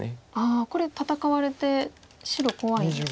これ戦われて白怖いんですか。